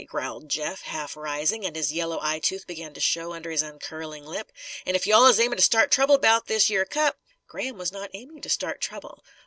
growled Jeff, half rising, and his yellow eyetooth began to show under his upcurling lip. "An' if you all is aimin' to start trouble 'bout this yer cup " Graham was not aiming to start trouble.